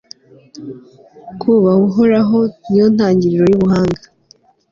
kubaha uhoraho, ni yo ntangiriro y'ubuhanga